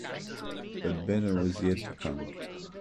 But better was yet to come.